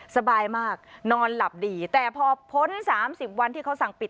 สบายมากนอนหลับดีแต่พอพ้น๓๐วันที่เขาสั่งปิด